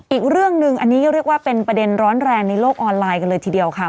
อีกเรื่องหนึ่งอันนี้ก็เรียกว่าเป็นประเด็นร้อนแรงในโลกออนไลน์กันเลยทีเดียวค่ะ